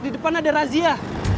di depan ada razia